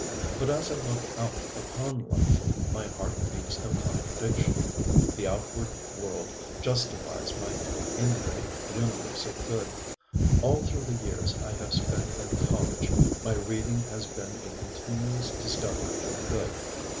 But as I look out upon life, my heart meets no contradiction. The outward world justifies my inward universe of good. All through the years I have spent in college, my reading has been a continuous discovery of good.